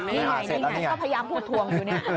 นี่ไงก็พยายามหัวถวงอยู่นี่